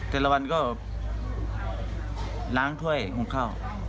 แต่ละวันก็ล้างถ้วยหุงข้าว